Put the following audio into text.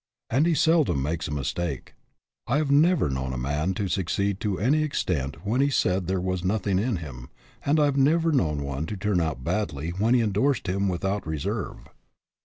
And he seldom makes a mistake. I have never known a man to succeed to any extent when he said there was nothing in him, and I have never known one to turn out badly when he indorsed him with out reserve.